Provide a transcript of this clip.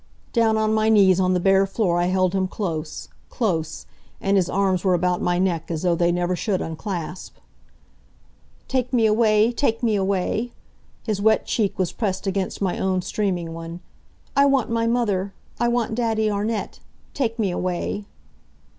Down on my knees on the bare floor I held him close close! and his arms were about my neck as though they never should unclasp. "Take me away! Take me away!" His wet cheek was pressed against my own streaming one. "I want my mother! I want Daddy Arnett! Take me away!"